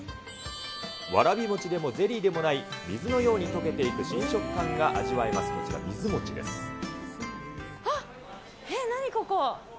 わらび餅でもゼリーでもない、水のようにとけていく新食感が味わえます、こちら、あっ、えっ、何ここ？